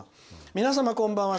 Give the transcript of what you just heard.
「皆様、こんばんは。